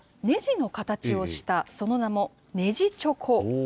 ネジの形をしたその名も、ネジチョコ。